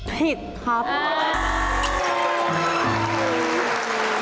ผิดครับ